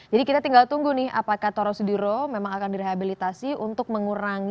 jadi kita tinggal tunggu nih apakah torosduro memang akan direhabilitasi untuk mengurangi